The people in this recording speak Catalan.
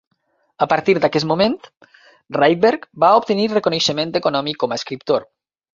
A partir d'aquest moment, Rydberg va obtenir reconeixement econòmic com a escriptor.